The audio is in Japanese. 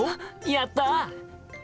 やった！